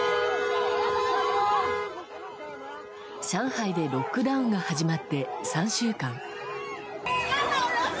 上海でロックダウンが始まって３週間。